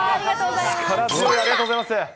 力強い、ありがとうございます。